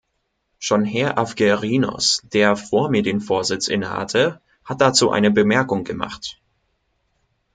Schon Herr Avgerinos, der vor mir den Vorsitz innehatte, hat dazu eine Bemerkung gemacht.